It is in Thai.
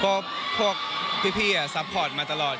เพราะพวกพี่อ่ะซัพพอร์ตมาตลอด